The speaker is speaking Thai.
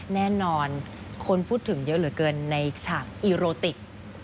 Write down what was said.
แน่นอนคนพูดถึงเยอะเหลือเกินในฉากอีโรติก